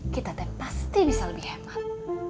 kita pasti bisa lebih hemat